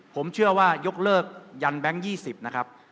ผมเชื่อว่ายกเลิกยันแบงค์๒๐นะครับ